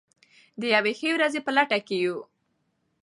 د یوې ښې ورځې په لټه کې یو.